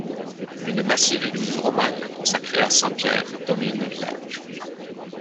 Une massive église romane consacrée à saint Pierre domine le village.